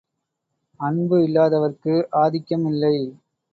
அன்பு இல்லாதவர்க்கு ஆதிக்கம் இல்லை.